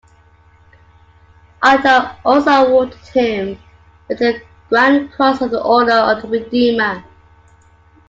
Otto also awarded him with the Grand Cross of the Order of the Redeemer.